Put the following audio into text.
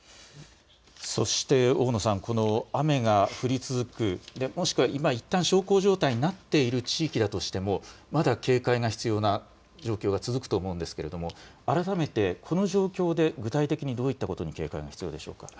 そして大野さん、この雨が降り続く、もしくは今いったん小康状態になっている地域だとしてもまだ警戒が必要な状況が続くと思うんですが改めてこの状況で具体的にどういったことに警戒が必要でしょうか。